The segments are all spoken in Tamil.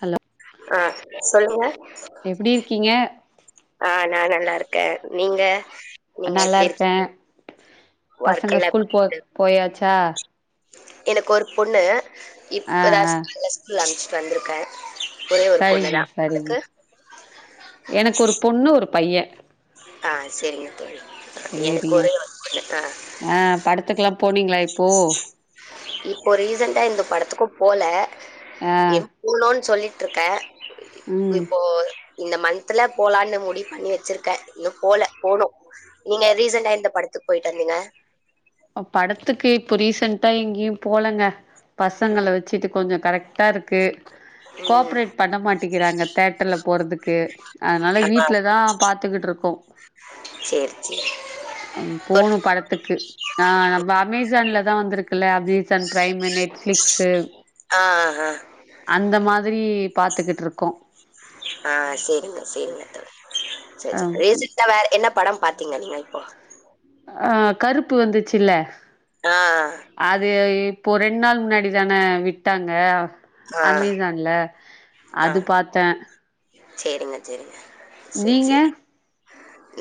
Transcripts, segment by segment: ஹலோ ஆ சொல்லுங்க எப்டி இருக்கீங்க நல்லாருக்கே நீங்க நீங்க எப்டி இருக் நல்லாருக்கே பசங்க ஒர்க்கெல்லா எப்டி ஸ்கூலுக் போ இருக்கு போயாச்சா எனக்கு ஒரு பொண்ணு ஆ இப்ப தா [inaudible] ஆ ச்சு வந்திருக்கே ஒரே ஒரு சரிங்க பொண்ணுதா சரிங்க உங்களுக்கு எனக்கு ஒரு பொண்ணு ஒரு பைய ஆ சேரிங்க தோழி ஆ, எனக்கு சேரிங்க ஒரே ஒரு பொண்ணு ஆ ஆ படத்துகெல்லா போனீங்களா இப் போ இப்போ ரீசண்டா எந்த படத்துக்கு போல ஆ எம் போணுன் சொல்லி ட்ருக்கே ம் இப்போ இந்த மந்த்ல போலான்னு முடிவு பண்ணி வெச்சிருக்கே இன்னு போல போணு நீங்க ரீசண்டா இந்த படத்துக்கு போய்ட்டு வந்தீங்க அ படத்துக்கி ப்ப ரீசண்டா எங்கியு போலங்க ம் பசங்கள வெச்சிட்டு கொஞ்ச கரெக்டாருக்கு ம் கோப்ரேட் பண்ண மாட்டிகிறாங்க தேட்டர்ல போறதுக்கு அதனால ஆ வீட்லதா பாத்துக்கிட்ருக்கோ சேரி சேரி அ ஒரு போணு படத்துக்கு ஆ நம்ப அமேசான்ல தா வந்திருக் ல்ல அஜீசன் ட்ரைமு நெட் ஃபிளிக்சு ஆ, ஆ, அந்த மாதிரி பாத்துக்கிட்ருக்கோ ஆஹ் செரிங்க செரிங்க தோழி அ செர் செர் [unintelligible] என்ன படம் பாத்தீங்க நீங்க இப்போ ஆஹ் கருப்பு வந்துச்சுல்ல ஆ, அது இப்போ ரெண்டு நாள் முன்னாடி தானே விட்டாங்க ஆ, அமேசான்ல ஆ. அது பாத்த சரிங்க சரிங்க சரி, நீங்க சரி.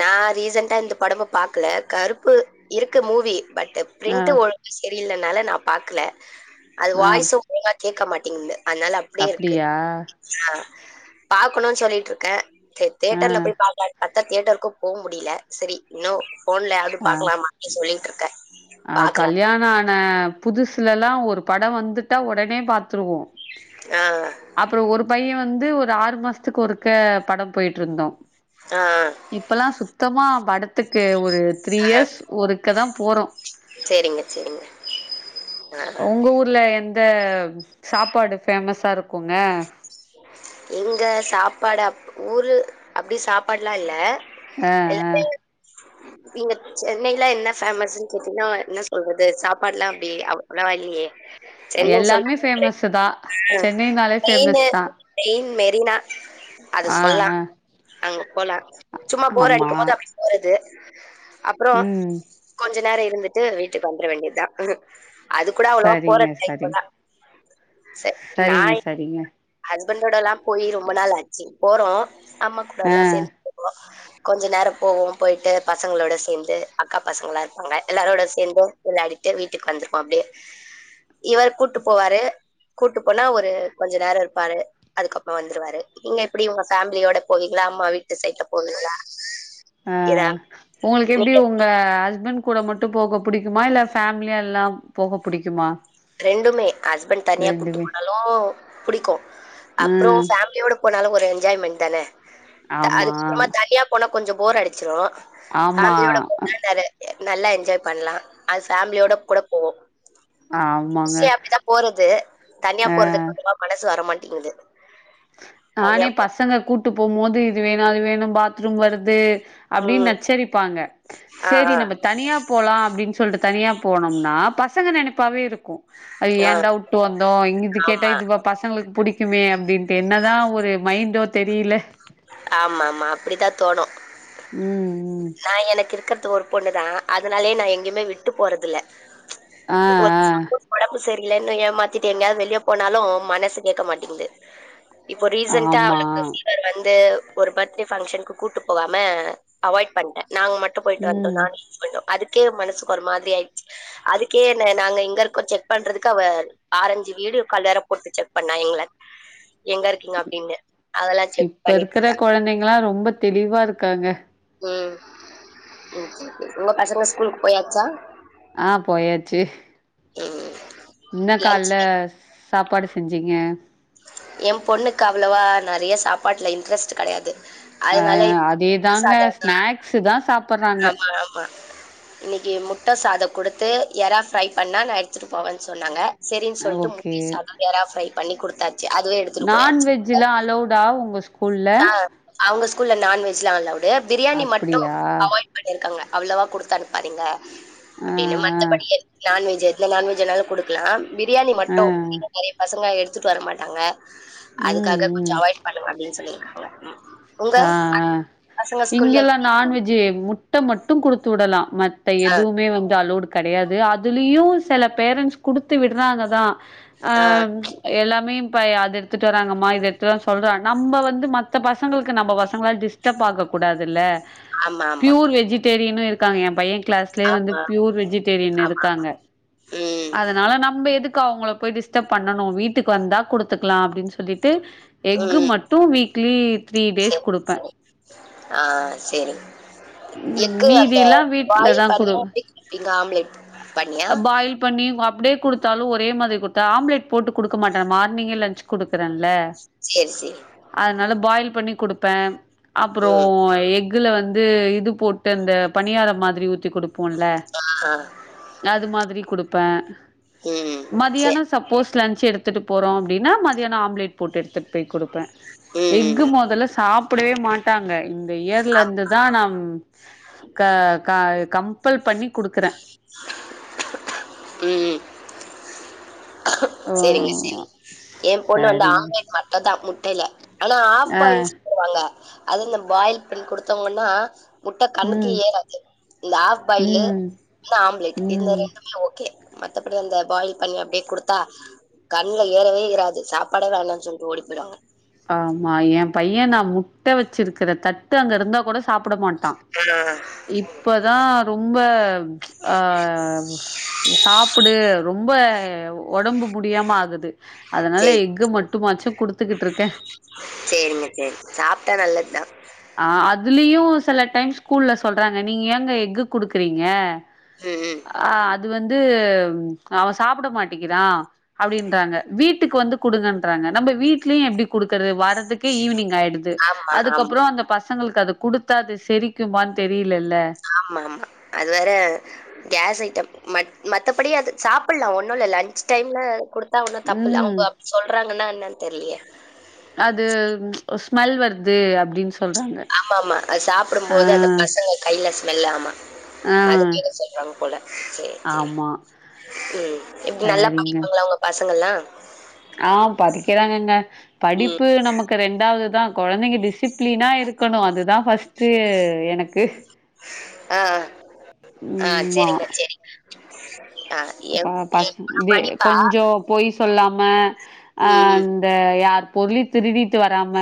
நான் ரீசெண்டா இந்த படமு பாக்கல கருப்பு இருக்கு மூவி பட் ஆ பிரிண்ட் ஒழு சரியில்ல அதனால நான் பாக்கல அது ஆ வாயிசு ஒழுங்கா கேட்க மாட்டு திங் அதனால அப்படியே இருக்கு அப்டியா ஆ பாக்கணுன்னு சொல்லிட்டு இருக்கேன் ஆ தேயேட்டர்ல போ பாக் அத்த தியேட்டர் க்கு போ முடியல சரி இன்னோ போன்லயாவது ஆ பாக்கலாம அப்டினு சொல்லிட்டு இருக்கேன் பாக்கலாம் புதுசுல எல்லாம் ஒரு படம் வந்துட்டா ஒடனே பாத்துருவோம் ஆ, அப்புறம் ஒரு பையன் வந்து வந்து ஒரு ஆறு மாசத்துக்கு ஒருக்க படம் போயிட்டுருந்தோம் ஆ. இப்பல்லா சுத்தமா பட த்துக்கு ஒரு த்ரீ ஆ இயர்ஸ் ஒருக்க தான் போறோம் சேரிங்க சேரிங்க ஆ உங்க ஊர்ல எந்த இந்த சாப்பாடு பேஃபேமஸா இருக்கும் க்குங்க எங்க சாப்பாடு அப் ஊரு அப்டி சாப்பாடுல்லா இல்ல ஆஹ் ஆஹ் நீங்க சென்னைல என்ன பேஃமஸ்ன்னு கேட்டீங்கன்னா என்ன சொல்றது சாப்பாடு எல்லாம் அப்டி அவ்வலவா இல்லையே சென்னை எல்லாமே சொன்னாலே பேஃமஸ் தான் ஆ சென்னைனாலே மெயினு பேஃமஸ் தான் மெயின் மெரினா அத சொல்லா ஆ அங்க போலாம் சும்மா போர் ஆமா அடிக்கும் போது அ போ அது அப்புறம் ம் கொஞ்ச நேர இருந்துட்டு வீட்டுக்கு வந்துர வேண்டியதுதா அது கூட அவ்வளவா போற சரிங்க சரிங்க டைப்புதா சரி நா சரிங்க சரிங்க ஹஸ்பண்டோட எல்லாம் போயி ரொம்ப நாள் ஆச்சு போணு அம்மா கூட ஆ எல்லா சேந்து தூங்குவோ கொஞ்ச நேரோ போவோ போயிட்டு பசங்களோட சேந்து அக்கா பசங்களா இருப்பாங்க எல்லாரோட சேந்து விளையாடிட்டு வீட்டுக்கு வந்திருவோ அப்டியே இவர் கூட்டு போவாரு கூட்டு போனா ஒரு கொஞ்ச நேரோ இரு பாரு அதுக்கப்புற வந்துருவாரு நீங்க எப்டி உங்க ஃபேமிலியோட போவீங்களா அம்மா வீட்டு சைட்ல போவீங்களா ஏதா அஹ் உங்களுக்கு எப்டி நீங்க உங்க ஹஸ்பண்ட் கூட மட்டு போக புடிக்குமா இல்ல ஃபேமிலியா எல்லா போக புடிக்குமா ரெண்டுமே ஹஸ்பண்ட் தனியா கூட்டு ரெண்டுமே போனாலு புடிக்கு ஆ அப்புறோ ஃபேமிலியோட போனாலு ஒரு என்ஜாய்மென்ட் தான ஆமா அதுக்கப்புறமா தனியா போன கொஞ்ச போர் அடிச்சிரும் ஆமா ஃபேமிலியோட போலானரு நல்லா என்ஜாய் பண்ணலா அது ஃபேமிலியோட கூட போவோ ஆமாங்க சிய அப்படிதா போறது தனியா அ போறதுக்கு மட்டுதா மனசு வரமாட் டிங்கிது நானே பசங்க கூட்டு போம் போது இது வேணு அது வேணு பாத் ரூம் வருது அப்படின் ம் நச்சரிப்பாங்க ஆ செரி ஆ நம்ம தனியா போலா அப்படின் சொல்ட்டு தனியா போனோம்னா பசங்க நினைப்பாவே இருக்கு ஐயோ ஆ ஏன்ட உட்டு வந்தோ இங்க இது கேட்டா ஆமா இதுவ பசங்களுக் புடிக் க்குமே அப்படின் என்னதா ஒரு மைன்டோ தெரியில ஆமாமா அப்படிதா தோணு ம் ம் ஆ எனக்கிருக்கிறது ஒரு பொண்ணுதா அதனாலயே நா எங்கயுமே விட்டு போறதில்ல ஆஹ் ஆஹ் சரியலன் ஏமாத்திட்டு எங்கயாது வெளிய போனாலு மனசு கேட்க மாட்டிங்குது இப்போ ரீசண்டா ஆமா அவளுக்கு ஃபீவர் வந் து ஒரு பர்த்டே பங்க்ஷனுக்கு கூட்டு போகாம அவாய்ட் பண்டே நாங்க மட்டு போயிட்டு வந்டோ ம் நானு எ ஹஸ்பன்டு அதுக்கே மனசுக்கு ஒரு மாதிரி ஆயிடுச்சு அதுக்கே என்ன நாங்க எங்க இருக்கோ செக் பண்றதுக்கு அவ ஆரஞ்சு வீடியோ கால் வேற போட்டு செக் பண்ணா எங்கள எங்க இருக்கீங்க அப்டின்னு அதெல்லா செக் இப்ப பண்ணிட்டு இருக்குற இருந்தா கொழந்தைங்க ளா ரொம்ப தெளிவா இருக்காங்க ம் ஒங்க பசங்க ஸ்கூலுக்கு போயாச்சா ஆஹ் போயாச்சு உம் என்ன கால்ல சாப்பாடு செஞ்சிங்க எ பொண்ணுக்கு அவ்ளவா நெறையா சாப்பாட்ல இன்ட்ரெஸ்ட்டு கெடையாது அதனால ஆஹ் அதே தாங்க சாதம் ஸ்நாக்ஸ்சு தா சாப்பிற்றாங்க இன்னக்கி முட்ட சாத குடுத்து எறா ஃப்ரை பண்ணா நா எடுத்துட்டு போவேன் சொன்னாங்க செரின் சொல்ட்டு முட்டை சாத எறா ஃப்ரை பண்ணி குடுத்தா நான்வெஜ்ஜுலா அலோவ்டா ஒங்க ஸ்கூல்ல அவ்ங்க ஸ்கூல்ல நான்வெஜ்லா அலோவ் டுன் பிரியாணி மட்டு அப்டியா அவாய்ட் பண்ணிருக்காங்க அவ்ளவா குடுத்து அனுப்பாதீங்க ஆ அப்டின்னு ஆ மத்தபடி எடுத் நான்வெஜ் எ இந்த நான்வெஜ் ஆனாலு குடுக்லாம் பிரியாணி ஆ மட்டு இங்க நெறைய பசங்க எடு த்துட்டு வர மாட் டாங்க ம் அதுக்காக கொஞ்சோ அவாய்ட் பண்ணலா அப்டின் சொல்லிருக்காங்க ஆஹ் ஆஹ் ஸ்கூல்ல இங்கெல்லா நான்வெஜ்ஜு முட்ட மட்டு குடுத்துடலா மத் த ஆ எதுவுமே வந் து அலோடு கெடையாது அதுலயு செல பேரண்ட்ஸ் குடுத்து விட்றாங்க தா ஆ அஹ் எல்லாம் மே எ பைய அத எடுத்துட்டு வராங்கம்மா இத எடுத்துட்டுவர சொல்றாங்க நம்ம வந்து மத்த பசங் சங்களுக்கு நம்ப பசங்களால டிஸ்டர்ப் ஆக கூடாதுல்ல ஆமா, ஆமா. பியூர் வெஜிடேரியனு இருக் காங்க எ பையங் கிளாஸ்லே வந்து ஆமா. பியூர் வெஜிடேரியன் இருக்காங்க ம். அதனால நம்ப எதுக் கு அவ்ங்கள போய் டிஸ்டர்ப் பண்ணனு வீட்டுக்கு வந்தா குடுத்துக்லா அப்டின் சொல்லி ட்டு எக்கு ம். மட்டு வீக்லி த்ரீ டேஸ் சரி குடுப்பே சரி ஆ சரி ம் எக்கு அந்த மீதிலாம் வாயு படி எ இங்க ஆம்லேட் பண்ணியா அ பாயில் பண்ணி வ அப்டியே குடுத்தாலு ஒரே மாதிரி குடுத்த ஆம்லேட் போட்டு குடுக்க மாட்டேன் மார்னிங்கே லன்ச் குடுக்குறேன்ல சேரி சேரி அதனால பாயில் பண்ணி குடுப் அப்புறோ ம் எக்குல வந்து இது போட்டு அந்த பணியார மாதிரி ஊத்தி குடுப் போண்ல ஆ அது மாதிரி குடுப்ப ம் மதியானோ சேரி சப்போஸ் லஞ்ச் எடுத்துட்டு போறோ அப்டீன்னா மதியானோ ஆம்லேட் போட்டு எடுத்துட்டு குடுப் ப எஃகு ம் முதல்ல சாப் சாப்படவே மாட்டாங்க இந்த இயர்ல இருந்துதா நம் க க கம் கம்பல் பண்ணி குடுக்குற ம் ஓ செரிங்க செரி என் பொண்ணு வந்து சரிங்க ஆம்லேட் மட்டும் தா இல்ல ஆனா ஆஃ ஆ பாயில் சாப்டுவாங்க அத இந்த பாயில் பண்ணி குடுத்தோங்கன்னா முட்ட கண்ணுக்கு ம் ஏறது இந்த ஆஃப் பாயிலு ம் ஆம்லேட் இந்த ம் ரெண்டுதுல ஒன்னு மத்தபடி அந்த பாயில் பண்ணி அப்டியே குடுத்தா கண்ல ஏறவே ஏறாது சாப்பாட வேணான்னு சொல்ட்டு ஓடி போயிடுவாங்க ஆமா ஏ பைய நா முட்ட வச்சிருக்கிற தட்டு அங்க இருந்தா கூட சாப்பிட மாட்டான் ஆ இப்பதா ரொம்ப ஆ சாப்பிடு ரொம்ப ஒடம்பு முடியாம ஆகுது அதனால எக்கு மட்டும் மாச்சோ குடுத்துக்குட்டு இருக் க செரிங்க செரிங்க சாப்ட்டா நல்லதுதா ஆ அதுலயு சில டைம் ஸ்கூல்ல சொல்றாங்க நீங்க ஏங்க எக்கு குடுக்குறீங்க ம், ம். ஆ அது வந்து வந்து அவ சாப்புட மாட்டிகிறா அப்டீன்றாங்க வீட் க்கு வந்து குடுங்கன்றாங்க நம்ம வீட்லயு எப்டி கொடுக்குறது வாரத்துக்கு ஈவினிங் ஆயிடுது ஆமா, ஆமா, அதுக்கப்புறோ அந்த பச ங்களுக்கு அது கொடுத்தா அது செரிக்குமானு தெரி ஆமா ஆமா அது வேற கேஸ் ஐட்டம் ம மத்தபடி அது சாப்பிடலா ஒன்னு இல்ல லஞ்ச் டைம்ல குடு த்தா ஒன்னு தப்புல ம் அவங்க அப்படி சொல்றாங்கன்னா என்னனு தெர்லயே அது ஸ்மெல் வருது அப்டின் ஆமா ஆமா அது சாப்பிடும் போது அந்த பசங்க கையில ஸ்மெல் ஆமா ஆ அதுக்காக சொல்றாங்க போல செரி செரி ஆமா ம் எப்டி நல்லா சரிங்க படிப்பாங்களா உங்க பச ங்களா ஆ படிக்கிறாங்கங்க ம். படிப்பு நமக்கு ரெண்டாவ தா கொழந்தைங்க டிசிப் ளினா இருக்கணு அதுதா ஃபர்ஸ்ட்டு எனக்கு ஆ ஆ ம்மா செரிங்க செரிங்க ப பச பொண்ணு இது படிப்பா. கொஞ்சம் பொய் சொல்லா ம அ ம், ம். இந்த யா பொருள் திருடிட்டு வராம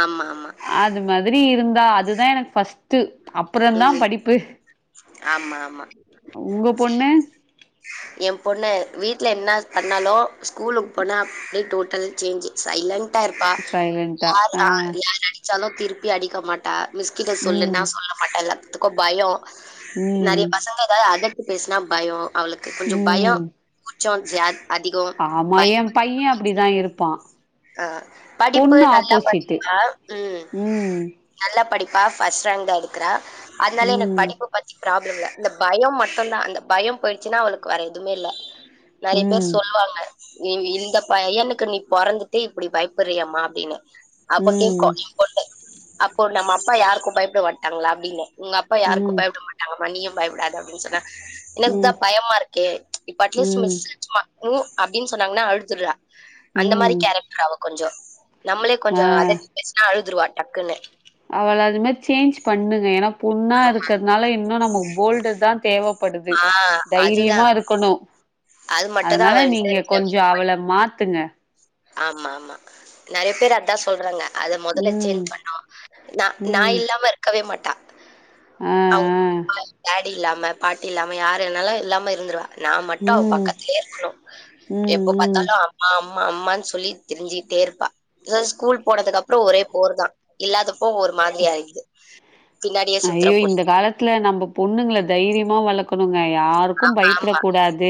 ஆமாமா. அது மாதிரி இருந் தா அதுதா எனக்கு ஃபர்ஸ்ட் டு அப்புறோ தா ம். படிப்பு ஆமா, ஆமா. உங்க பொண்ணு என் பொண்ண வீட்ல என்னா பண்ணாலோ ஸ்கூலுக்கு போனா அப்படி டோட்டல் சேஞ்ச் சைலன்ட் டா இருப்பா சைலன்டா யா ஆ அ யார் அடிச்சாலு திருப்பி அடிக்க மாட்டா மிஸ்கிட்ட சொல்லுன்னா ம் மாட்டா எல்லாத்துக்கு பயம் நெறைய ம் பசங்க ஏதாவது அதட் டி பேசினா பயம் அவளுக்கு கொஞ்சம் பயம் ம் ச்சோ ஜா அதிகம் ஆமா பயம் என் பையன் அப்படிதா இருப்பா ஆ படிப்பு பொண்ணு நல்லா ஆப்போசிட்டு படிப்பா ம் நல்லா படிப் பா ஃபஸ்ட் ரேங்க்தா எடுக்குறா அத்னால எனக்கு ம் படிப்ப பத்தி ப்ரா இல்ல இந்த பயொ மட்டுந்தா அந்த பயம் போயிடுச்சுன்னா அவளுக்கு வேற எதுவுமே இல்ல ம் நறைய பேர் ம் சொல்வாங்க இ இந்தப்பையனுக்கு நீ பொறந்து ட்டு இப்டி பயப்படறியேமா அப்டின்ன அப்ப கேக்கு ம் லீவ் போட்டு அப்போ நம்ம அப்பா யாருக்கு பயப்பட மாட்டாங்ளா அப்டின்னே உங்க அப்பா யாருக்கு பயப்ட மாட்டாங்கமா நீயு பயப்படாத அப்டின் சொன்னா எனக்குதா ம் பயமா இருக்கே இப்ப அட்லீஸ்ட் ம் மிஸ் [inaudible] உ அப்டின் சொன்னாங்கனா அழுதுடுறா அந்த மாரி ம் கேரக் கொஞ்ச ஆ டக்குன்னு. அவள அது மாரி சேன்ச் பண்ணுங்க ஏனா பொண்ணா இருக்கிறதுனால இன்னு நமக் போல்டு தா தேவ படுது ஆ தைரியமா அதுதான். இருக்கணு அது மட்டும் தான் அதனால அவள்ட்ட நீங்க இருக்கிற கொஞ்ச வீக் பாயிண்ட். அவள மாத் த்துங்க ஆமா ஆமா நறைய பேர் அதா சொ சொல்றாங்க அத மொதல்ல ம் சேஞ்ச் பண்ணொ நா நா ம் இல்லாம இருக்கவே மாட் [inaudible] ஆ ஆ டேடி இல்லாம பாட்டி இல்லாம யாரு என்னாலு இல்லாம இருந்துருவா நா மட்டு அவ ம் பக்கத்லயே இருக்கணு ம் எப்ப ம் பாத்தாலு அம்மா அம் மா அம்மான் சொல்லி திரிஞ்சிட்டே இருப்பா அதா ஸ்கூல் போனதுக்கு அப்றொ ஒரே போர் தா இல்லாத ப்போ ஒரு மாத்ரி ஆய்க்கிது ஐயோ இந்தக் காலத்துல நம்ப பொண்ணுங்கள தைரியமா வளக் க யாருக்கு ஆமா. பயப்டக் கூடாது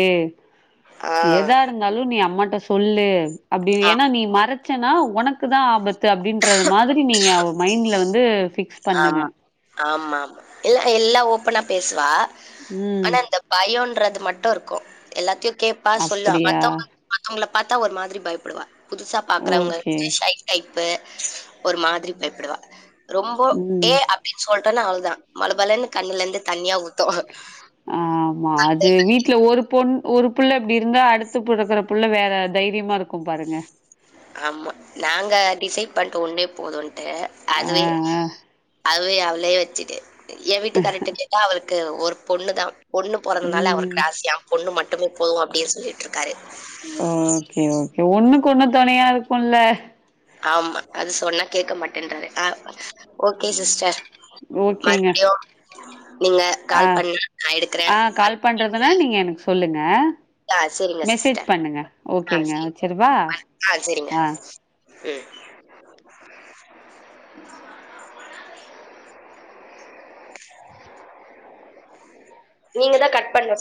ஆ. எதா இருந்தாலு நீ அம்மாட்ட சொல்லு அப்டி ஆ. ஏன்னா நீ மர சன்னா ஒனக்கு தா ஆபத் து அப்டின்றது மாதிரி நீங்க மைண்டல வந்து ஃபிக்ஸ் பண்ணுங்க. ஆமா ஆமா எ எல்லா ஓப்பனா பேசுவா ம். ஆனா இந்த பயொன்றது மட் டொ இருக்கொ எல்லாத்தையு கேப்பா சொல்லா அப்டியா? மத்தவங்க மத்தவங்கள பாத்தா ஒரு மாதிரி பயப்புடுவா புதுசா பாக்கறங்க ஓகே. ஷை டைப் பு ஒரு மாதிரி பயப்புடுவா ரொம் ம். ஏ அப்பின்னு சொல் டோனா அவ்ளோதா மழபழன்னு கண்ணுல இருந்து தண்ணியா ஊத்தோ வ ம் ஆமா அது வீட்டுல ஒரு பொண் ஒரு புள்ள அப்டி இருந்தா அடுத்து பொறக்குற புள்ள வேற தைரியமா இருக்கு பாருங்க ஆமா நாங்க டிசைட் பண்ட்டோ ஒன்னே போதுன் அ ஆ, அதுவே ஆ. அது வே அவளே வெச்சுட்டு எ வீட்டு காரர்ட்ட கேட்டா அவருக்கு ஒரு பொண்ணு தா பொண்ணு பொறன்துனால ம். அவருக்கு ராசியா பொண்ணு மட் டுமே போது அப்டின்னு சொல்லிட்ருக்காரு ஓகே ஓகே ஒன்னுக்கு ஒன்னு துணையா இருக்குல்ல ஆமா அது சொன்னா கேக்க மாட்டேன்றாரு அ ஓகே சிஸ்டர் ஓகேங்க. மறுபடியு நீங்க ஆ, கால் பண்ணு நா எடுக்குறே [inaudible] ஆஹ் மெசேஜ் பண்ணுங்க ஆ ஓகேங்க சரி. வெச்சுருவா ஆஹ் ம் நீங்க தா கட் பண்ணு சி